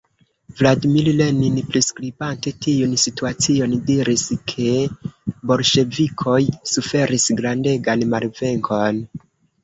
Vladimir Lenin priskribante tiun situacion diris, ke ""bolŝevikoj suferis grandegan malvenkon"".